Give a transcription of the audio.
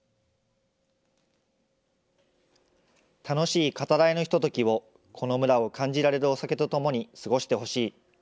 楽しい語らいのひとときを、この村を感じられるお酒とともに過ごしてほしい。